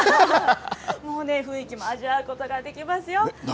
もうね、雰囲気も味わうことができますよ。